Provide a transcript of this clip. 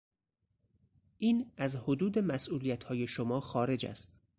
این از حدود مسئولیتهای شما خارج است.